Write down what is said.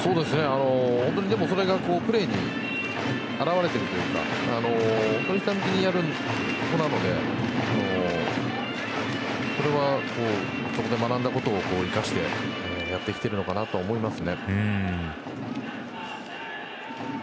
本当にそれがプレーに現れているというか真面目にやる子なのでそれはそこで学んだことを生かしてやってきているのかなと思いますね。